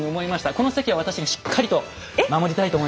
この席は私がしっかりと守りたいと思います。